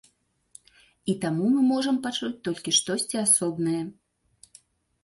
І таму мы можам пачуць толькі штосьці асобнае.